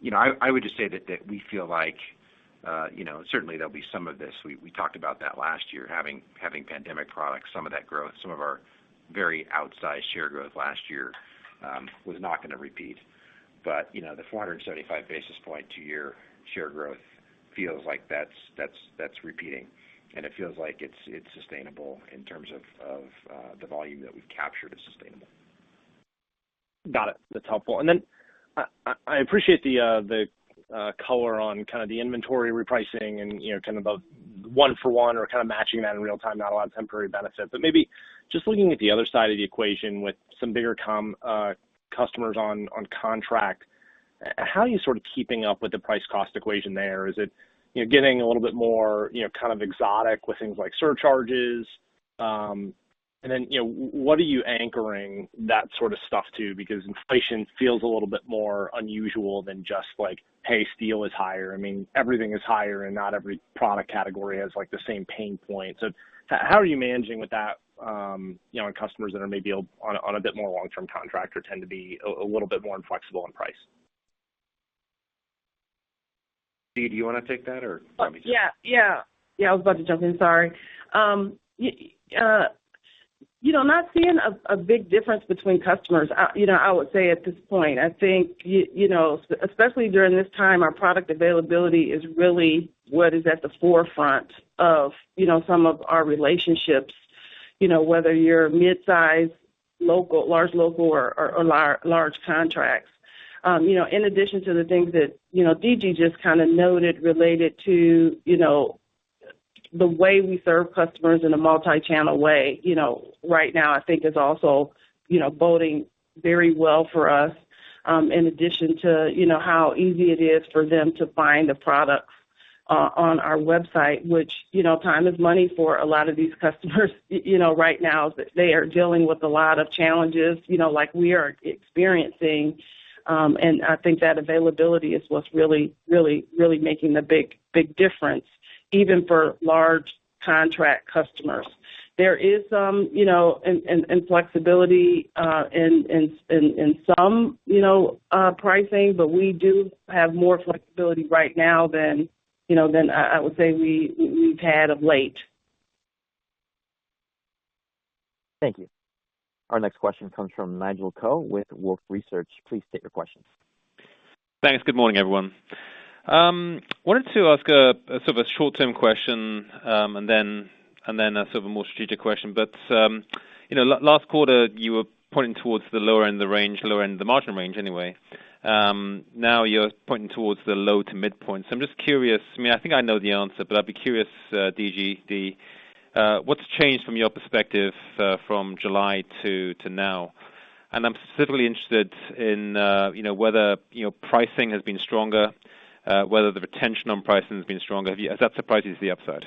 You know, I would just say that we feel like, you know, certainly there'll be some of this. We talked about that last year, having pandemic products, some of that growth, some of our very outsized share growth last year was not gonna repeat. You know, the 475 basis points year-over-year share growth feels like that's repeating. It feels like it's sustainable in terms of the volume that we've captured is sustainable. Got it. That's helpful. I appreciate the color on kind of the inventory repricing and, you know, kind of the one for one or kind of matching that in real time, not a lot of temporary benefits. Maybe just looking at the other side of the equation with some bigger customers on contract, how are you sort of keeping up with the price cost equation there? Is it, you know, getting a little bit more, you know, kind of exotic with things like surcharges? You know, what are you anchoring that sort of stuff to? Because inflation feels a little bit more unusual than just like, hey, steel is higher. I mean, everything is higher, and not every product category has like the same pain point. How are you managing with that, you know, on customers that are maybe on a bit more long-term contract or tend to be a little bit more inflexible on price? Dee, do you wanna take that or want me to? Yeah, I was about to jump in. Sorry. You know, not seeing a big difference between customers. You know, I would say at this point, I think you know, especially during this time, our product availability is really what is at the forefront of some of our relationships, you know, whether you're mid-size, local, large local or large contracts. You know, in addition to the things that you know, D.G. just kind of noted related to you know, the way we serve customers in a multi-channel way, you know, right now I think is also you know, boding very well for us, in addition to you know, how easy it is for them to find the products on our website, which you know, time is money for a lot of these customers, you know, right now. They are dealing with a lot of challenges, you know, like we are experiencing. I think that availability is what's really making a big difference, even for large contract customers. There is some, you know, inflexibility in some, you know, pricing, but we do have more flexibility right now than I would say we've had of late. Thank you. Our next question comes from Nigel Coe with Wolfe Research. Please state your question. Thanks. Good morning, everyone. Wanted to ask a sort of short-term question, and then a sort of more strategic question. You know, last quarter, you were pointing towards the lower end of the range, lower end of the margin range anyway. Now you're pointing towards the low to midpoint. I'm just curious. I mean, I think I know the answer, but I'd be curious, D.G., what's changed from your perspective, from July to now? And I'm specifically interested in, you know, whether pricing has been stronger, whether the retention on pricing has been stronger. Has that surprised you to the upside?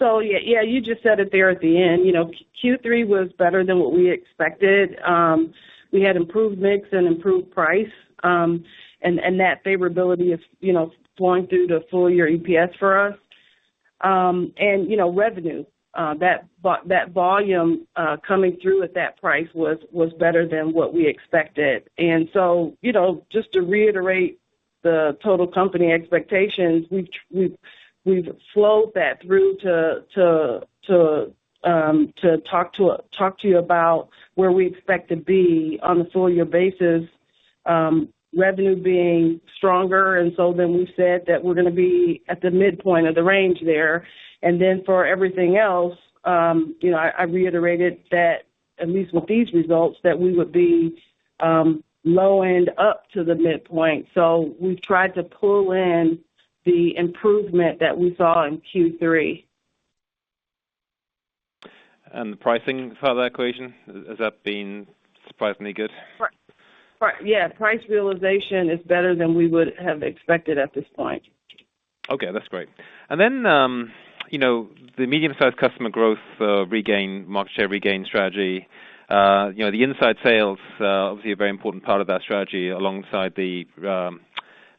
Yeah, you just said it there at the end. You know, Q3 was better than what we expected. We had improved mix and improved price, and that favorability is, you know, flowing through the full year EPS for us. You know, revenue, that volume coming through at that price was better than what we expected. Just to reiterate the total company expectations, we've flowed that through to talk to you about where we expect to be on a full year basis, revenue being stronger. We've said that we're gonna be at the midpoint of the range there. For everything else, you know, I reiterated that at least with these results, that we would be low end up to the midpoint. We've tried to pull in the improvement that we saw in Q3. The pricing side of the equation, has that been surprisingly good? Yeah, price realization is better than we would have expected at this point. Okay, that's great. Then, you know, the medium-sized customer growth regain, market share regain strategy, you know, the inside sales obviously a very important part of that strategy alongside the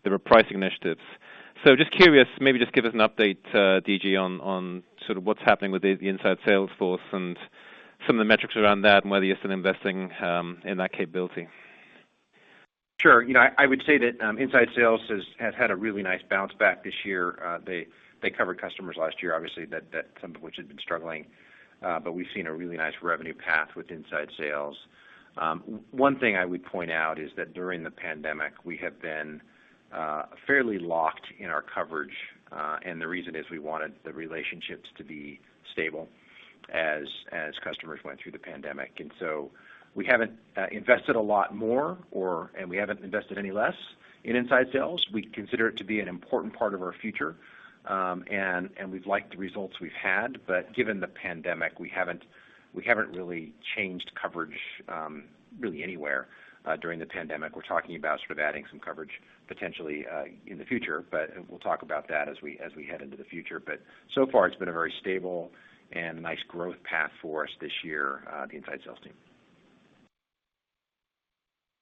repricing initiatives. Just curious, maybe just give us an update, D.G., on sort of what's happening with the inside sales force and some of the metrics around that and whether you're still investing in that capability. Sure. You know, I would say that inside sales has had a really nice bounce back this year. They covered customers last year, obviously, that some of which had been struggling. We've seen a really nice revenue path with inside sales. One thing I would point out is that during the pandemic, we have been fairly locked in our coverage, and the reason is we wanted the relationships to be stable as customers went through the pandemic. We haven't invested a lot more, and we haven't invested any less in inside sales. We consider it to be an important part of our future. We've liked the results we've had. Given the pandemic, we haven't really changed coverage really anywhere during the pandemic. We're talking about sort of adding some coverage potentially in the future, but we'll talk about that as we head into the future. So far, it's been a very stable and nice growth path for us this year, the inside sales team.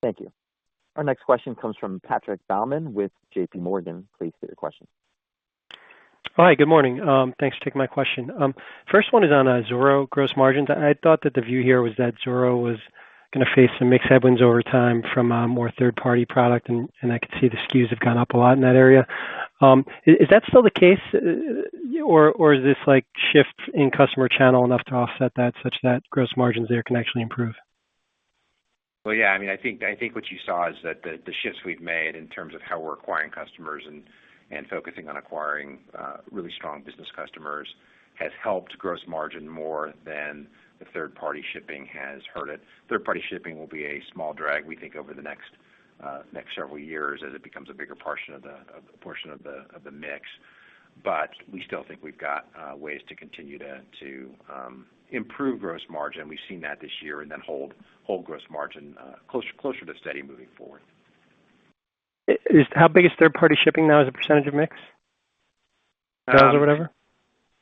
Thank you. Our next question comes from Patrick Baumann with JPMorgan. Please state your question. Hi, good morning. Thanks for taking my question. First one is on Zoro gross margins. I thought that the view here was that Zoro was gonna face some mixed headwinds over time from a more third-party product, and I can see the SKUs have gone up a lot in that area. Is that still the case? Or is this like shift in customer channel enough to offset that such that gross margins there can actually improve? Well, yeah. I mean, I think what you saw is that the shifts we've made in terms of how we're acquiring customers and focusing on acquiring really strong business customers has helped gross margin more than the third-party shipping has hurt it. Third-party shipping will be a small drag, we think, over the next several years as it becomes a bigger portion of the mix. But we still think we've got ways to continue to improve gross margin. We've seen that this year and then hold gross margin closer to steady moving forward. How big is third-party shipping now as a percentage of mix? Thousand or whatever?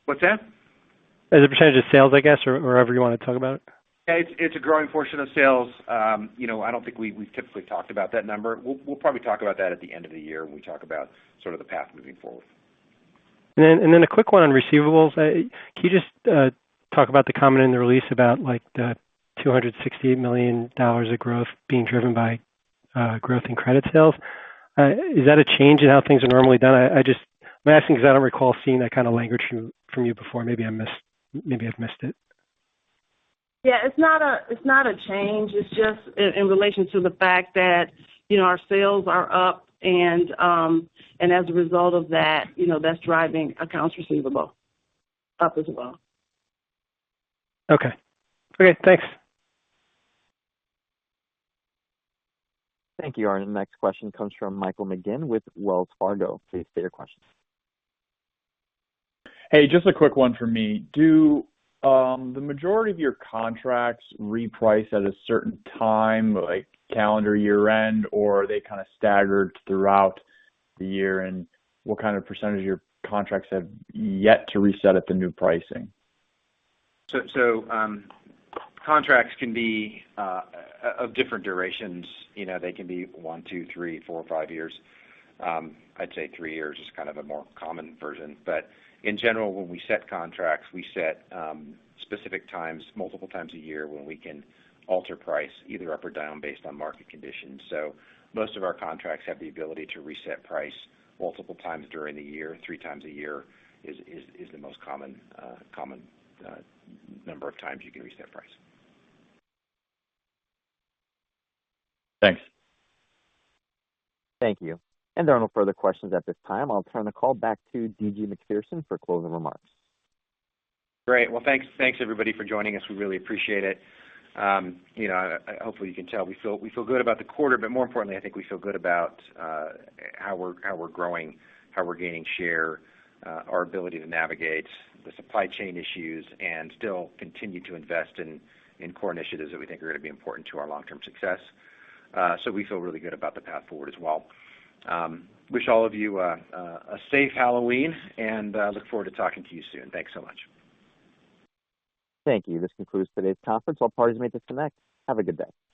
What's that? As a percentage of sales, I guess, or however you wanna talk about it. It's a growing portion of sales. You know, I don't think we've typically talked about that number. We'll probably talk about that at the end of the year when we talk about sort of the path moving forward. A quick one on receivables. Can you just talk about the comment in the release about like the $268 million of growth being driven by growth in credit sales? Is that a change in how things are normally done? I'm asking 'cause I don't recall seeing that kind of language from you before. Maybe I've missed it. Yeah. It's not a change. It's just in relation to the fact that, you know, our sales are up and as a result of that, you know, that's driving accounts receivable up as well. Okay. Okay, thanks. Thank you. Our next question comes from Michael McGinn with Wells Fargo. Please state your question. Hey, just a quick one from me. Do the majority of your contracts reprice at a certain time, like calendar year-end, or are they kind of staggered throughout the year? What kind of percentage of your contracts have yet to reset at the new pricing? Contracts can be of different durations. You know, they can be one, two, three, four, five years. I'd say three years is kind of a more common version. In general, when we set contracts, we set specific times, multiple times a year when we can alter price either up or down based on market conditions. Most of our contracts have the ability to reset price multiple times during the year. Three times a year is the most common number of times you can reset price. Thanks. Thank you. There are no further questions at this time. I'll turn the call back to D.G. Macpherson for closing remarks. Great. Well, thanks everybody for joining us. We really appreciate it. You know, hopefully you can tell we feel good about the quarter, but more importantly, I think we feel good about how we're growing, how we're gaining share, our ability to navigate the supply chain issues and still continue to invest in core initiatives that we think are gonna be important to our long-term success. We feel really good about the path forward as well. I wish all of you a safe Halloween, and look forward to talking to you soon. Thanks so much. Thank you. This concludes today's conference. All parties may disconnect. Have a good day.